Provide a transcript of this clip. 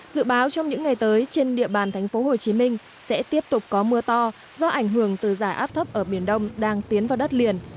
dự báo trong những ngày tới trên địa bàn thành phố hồ chí minh sẽ tiếp tục có mưa to do ảnh hưởng từ giải áp thấp ở biển đông đang tiến vào đất liền